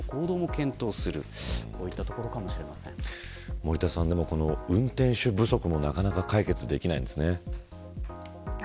森戸さん、運転手不足もなかなか解決できないんですね。